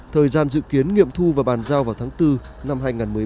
thời gian dự kiến nghiệm thu và bàn giao vào tháng bốn năm hai nghìn một mươi chín